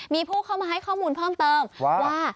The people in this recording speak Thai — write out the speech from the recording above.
มีผู้เข้ามาให้ข้อมูลเพิ่มเติมว่า